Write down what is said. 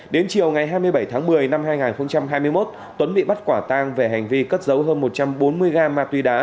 đến chiều ngày hai mươi bảy tháng một mươi năm hai nghìn hai mươi một tuấn bị bắt quả tang về hành vi cất giấu hơn một trăm bốn mươi ga ma túy đá